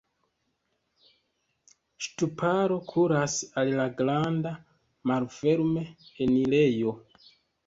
Ŝtuparo kuras al la granda malferme enirejo.